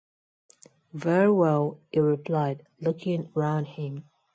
‘Very well,’ he replied, looking round him.